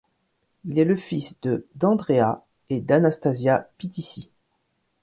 Il est le fils de d'Andrea et d'Anastasia Pitissi.